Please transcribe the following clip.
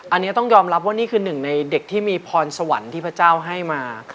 อันนี้ต้องยอมรับว่านี่คือหนึ่งในเด็กที่มีพรสวรรค์ที่พระเจ้าให้มา